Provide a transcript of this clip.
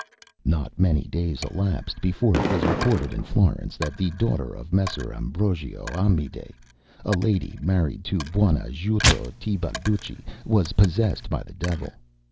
Not many days elapsed before it was reported in Florence that the daughter of Messer Ambrogio Amedei, a lady married to Buonajuto Tebalducci, was possessed by the devil.